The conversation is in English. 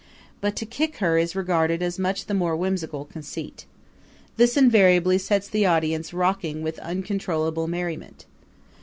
But to kick her is regarded as much the more whimsical conceit. This invariably sets the audience rocking with uncontrollable merriment.